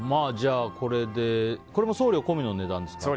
これも送料込みの値段ですか。